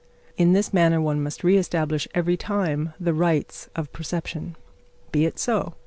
In this manner one must re establish every time the rights of perception. Be it so.